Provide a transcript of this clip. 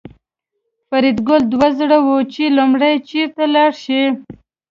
فریدګل دوه زړی و چې لومړی چېرته لاړ شي